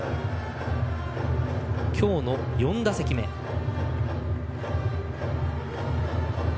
きょうの４打席目です。